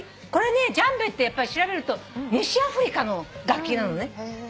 ジャンベって調べると西アフリカの楽器なのね。